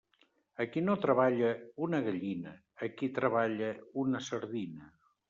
A qui no treballa, una gallina; a qui treballa, una sardina.